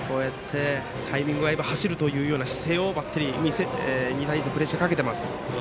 タイミングが合えば走るという姿勢をバッテリーに対してプレッシャーをかけています。